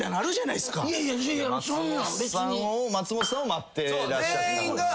松本さんを待ってらっしゃったから。